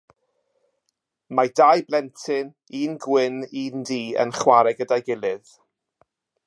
Mae dau blentyn, un gwyn, un du, yn chwarae gyda'i gilydd.